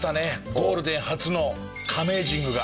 ゴールデン初のカメージングが。